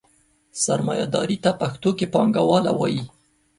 سرمایهداري ته پښتو کې پانګواله وایي.